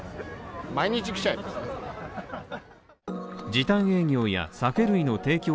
時短営業や酒類の提供